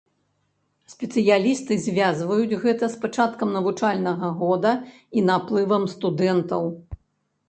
Спецыялісты звязваюць гэта з пачаткам навучальнага года і наплывам студэнтаў.